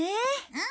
うん！